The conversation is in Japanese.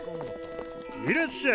いらっしゃい。